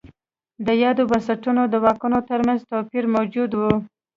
د یادو بنسټونو د واکونو ترمنځ توپیر موجود و.